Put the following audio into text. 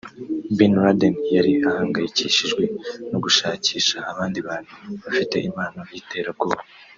Bin Laden yari ahangayikishijwe no gushakisha abandi bantu bafite impano y’iterabwoba